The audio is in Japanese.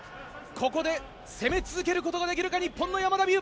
ここで攻め続けることができるか日本の山田美諭。